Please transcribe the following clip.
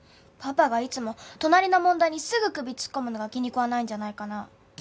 パパがいつも隣の問題にすぐ首突っ込むのが気に食わないんじゃないかな？